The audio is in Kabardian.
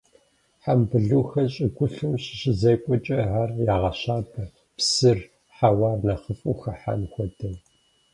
Хьэмбылухэр щӀыгулъым щыщызекӀуэкӀэ, ар ягъэщабэ, псыр, хьэуар нэхъыфӀу хыхьэн хуэдэу.